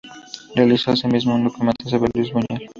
Realizó, asimismo, un documental sobre Luis Buñuel.